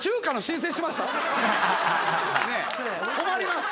困ります。